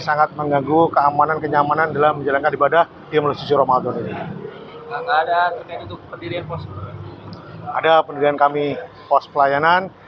ada pendirian kami pos pelayanan